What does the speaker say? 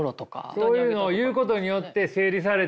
そういうのを言うことによって整理されて。